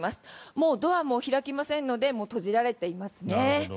もうドアも開きませんので閉じられていますね。